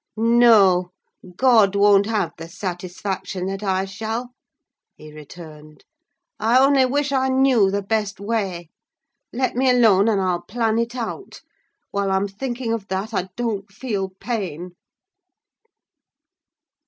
"No, God won't have the satisfaction that I shall," he returned. "I only wish I knew the best way! Let me alone, and I'll plan it out: while I'm thinking of that I don't feel pain."